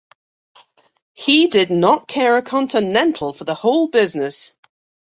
He did not care a continental for the whole business.